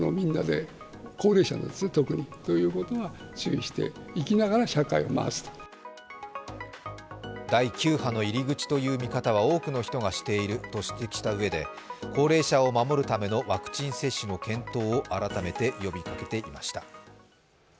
意見交換後、尾身茂委員は第９波の入り口という見方は多くの人がしていると指摘したうえで高齢者を守るためのワクチン接種の検討を改めて呼びかけていました。